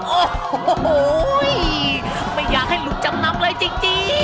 โอ้โหไม่อยากให้หลุดจำนำเลยจริง